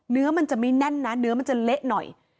เนื้อมันจะไม่แน่นนะเนื้อมันจะเละหน่อย